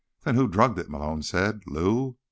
"Then who drugged it?" Malone said. "Lou?"